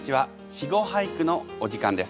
「稚語俳句」のお時間です。